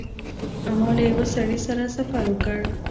ما له یوه سړي سره سفر وکړ.